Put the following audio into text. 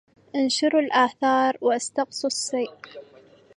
أنشروا الآثار واستقصوا السير